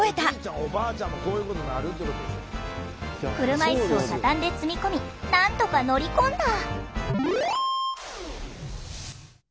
車いすを畳んで積み込みなんとか乗り込んだ。